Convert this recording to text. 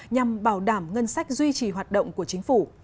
nhằm bảo đảm ngân sách duy trì hoạt động của chính phủ